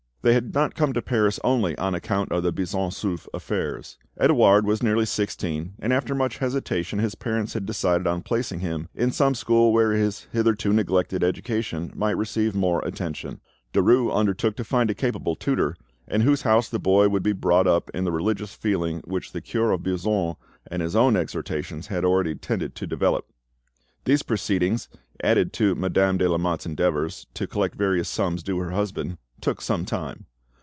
They had not come to Paris only on account of the Buisson Souef affairs. Edouard was nearly sixteen, and after much hesitation his parents had decided on placing him in some school where his hitherto neglected education might receive more attention. Derues undertook to find a capable tutor, in whose house the boy would be brought up in the religious feeling which the cure of Buisson and his own exhortations had already tended to develop. These proceedings, added to Madame de Lamotte's endeavours to collect various sums due to her husband, took some time.